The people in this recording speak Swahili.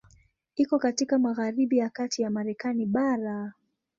Iko katika magharibi ya kati ya Marekani bara.